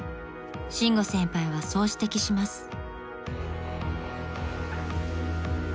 ［伸吾先輩はそう指摘します］